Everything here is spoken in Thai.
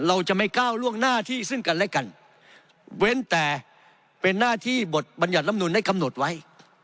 เราจะไม่ก้าวล่วงหน้าที่ซึ่งกันและกันเว้นแต่เป็นหน้าที่บทบัญญัติลำนุนได้กำหนดไว้